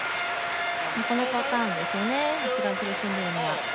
このパターンですよね一番苦しんでいるのは。